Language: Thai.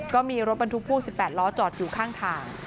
ก็มีรถบรรทุกพ่วง๑๘ล้อจอดอยู่ข้างทาง